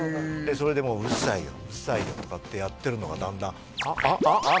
それでもう「うるさいようるさいよ」とかってやってるのがだんだん「あっ？あっ？あっ？あっ？」